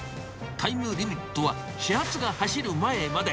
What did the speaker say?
タイムリミットは始発が走る前まで。